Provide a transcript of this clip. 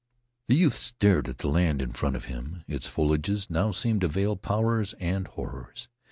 The youth stared at the land in front of him. Its foliages now seemed to veil powers and horrors.